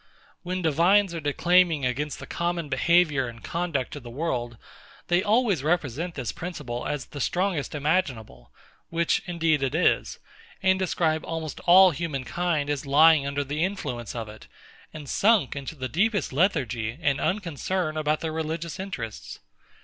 When divines are declaiming against the common behaviour and conduct of the world, they always represent this principle as the strongest imaginable (which indeed it is); and describe almost all human kind as lying under the influence of it, and sunk into the deepest lethargy and unconcern about their religious interests.